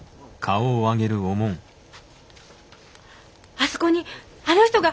あそこにあの人が！